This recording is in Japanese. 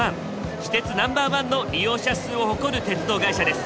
私鉄Ｎｏ．１の利用者数を誇る鉄道会社です。